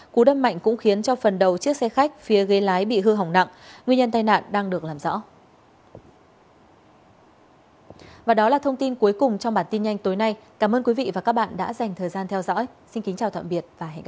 cú đâm mạnh khiến người đàn ông bất tỉnh và được đưa đi cấp cứu trong xe